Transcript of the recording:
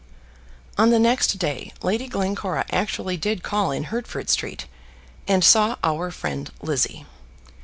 On the next day Lady Glencora actually did call in Hertford Street, and saw our friend Lizzie.